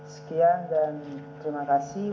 sekian dan terima kasih